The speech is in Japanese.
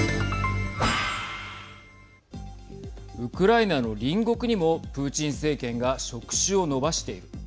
ウクライナの隣国にもプーチン政権が触手を伸ばしている。